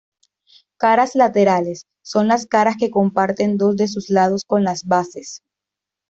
Caras laterales: son las caras que comparten dos de sus lados con las bases.